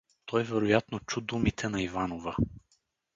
Той вероятно чу думите на Иванова.